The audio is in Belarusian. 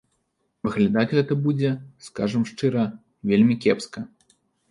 Выглядаць гэта будзе, скажам шчыра, вельмі кепска.